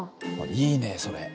いいねそれ。